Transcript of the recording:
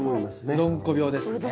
うどんこ病ですね。